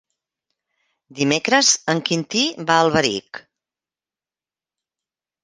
Dimecres en Quintí va a Alberic.